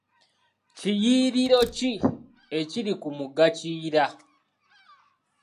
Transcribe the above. Kiyiriro ki ekiri ku mugga kiyira?